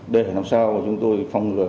để làm sao chúng tôi phong lợi